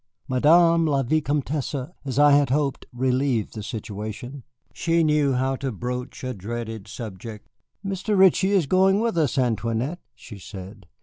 Madame la Vicomtesse, as I had hoped, relieved the situation. She knew how to broach a dreaded subject. "Mr. Ritchie is going with us, Antoinette," she said.